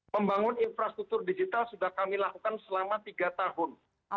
membangun infrastruktur digital sudah kami lakukan selama tiga tahun